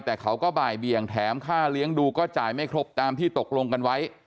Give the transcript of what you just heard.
แต่เขาก็บ่ายเบียงแถมค่าเลี้ยงดูก็จ่ายไม่ครบตามที่ตกลงกันไว้